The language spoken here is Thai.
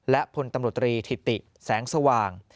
และพลตำรวจตรีถิติแสงสว่าง